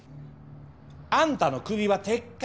あんたのクビは撤回。